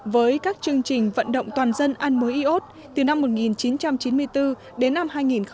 với các chương trình vận động toàn dân ăn muối iốt từ năm một nghìn chín trăm chín mươi bốn đến năm hai nghìn một mươi năm